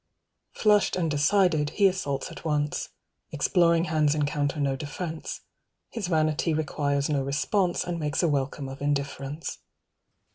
Flushed and decided, he assaults at once; Exploring hands encounter no defence; 240 His vanity requires no response, And makes a welcome of indifference.